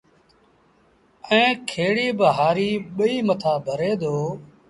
ائيٚݩ کيڙيٚ با هآريٚ ٻئيٚ مٿآ ڀري دو